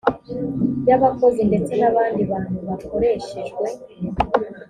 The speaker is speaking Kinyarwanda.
y abakozi ndetse n abandi bantu bakoreshejwe